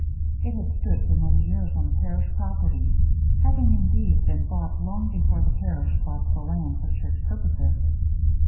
It had stood for many years on the parish property, having indeed been built long before the parish bought the land for church purposes.